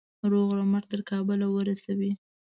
روغ رمټ تر کابله ورسوي.